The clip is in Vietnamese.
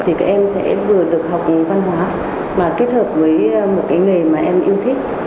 thì các em sẽ vừa được học văn hóa mà kết hợp với một cái nghề mà em yêu thích